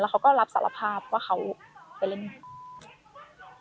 เขาก็รับสารภาพว่าเขาไปเล่น